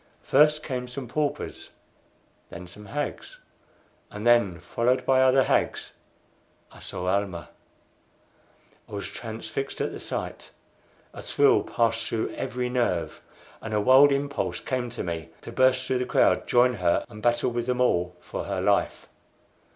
First came some paupers, then some hags, and then, followed by other hags, I saw Almah. I was transfixed at the sight. A thrill passed through every nerve, and a wild impulse came to me to burst through the crowd, join her, and battle with them all for her life.